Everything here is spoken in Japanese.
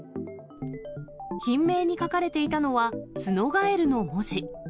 品名に書かれていたのは、ツノガエルの文字。